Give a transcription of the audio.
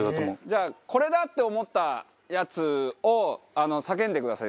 じゃあこれだって思ったやつを叫んでください。